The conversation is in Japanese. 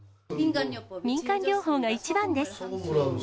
民間療法が一番です。